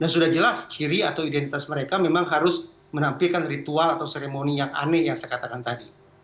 sudah jelas ciri atau identitas mereka memang harus menampilkan ritual atau seremoni yang aneh yang saya katakan tadi